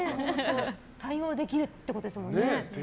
対応できるってことですよね。